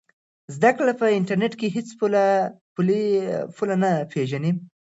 زده کړه په انټرنیټ کې هېڅ پوله نه پېژني.